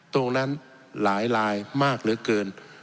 ตรงนั้นหลายลายมากเหลือเกิน